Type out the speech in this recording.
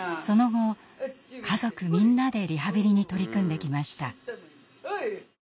その後家族みんなでリハビリに取り組んできました。